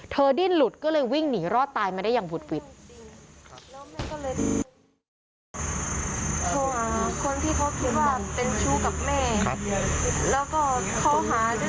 เธอดิ้นหลุดก็เลยวิ่งหนีรอดตายมาได้อย่างหุดหวิดแล้วแม่ก็เลย